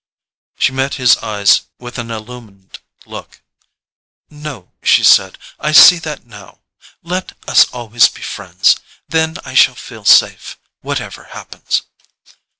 She met his eyes with an illumined look. "No," she said. "I see that now. Let us always be friends. Then I shall feel safe, whatever happens."